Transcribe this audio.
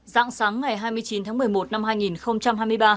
giãn sáng ngày hai mươi chín tháng một mươi một năm hai nghìn hai mươi ba